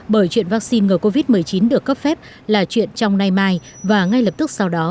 bởi chuyện vắc xin ngờ covid một mươi chín được cấp phép là chuyện trong nay mai và ngay lập tức sau đó